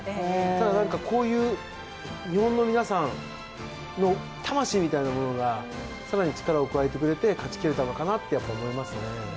ただ、こういう日本の皆さんの魂みたいなものが更に力を加えてくれて勝ちきれたのかなってやっぱり思いますね。